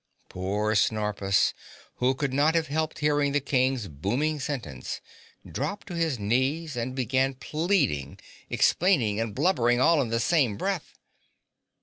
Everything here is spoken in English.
Poor Snorpus, who could not have helped hearing the King's booming sentence, dropped to his knees and began pleading, explaining and blubbering all in the same breath.